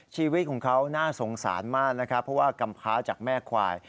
ชีวิตของเขาน่าสงสารมากนะครับเพราะว่ากำพ้าจากแม่ควาย